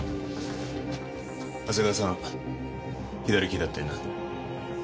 長谷川さん左利きだったよな？